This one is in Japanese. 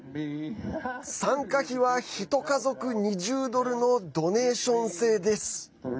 参加費は１家族２０ドルのドネーション制です。